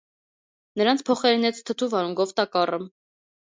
Նրանց փոխարինեց թթու վարունգով տակառը։